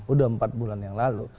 udah empat bulan yang lalu